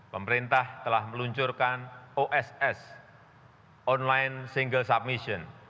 pemerintah telah meluncurkan oss